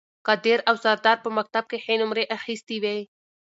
قادر او سردار په مکتب کې ښې نمرې اخیستې وې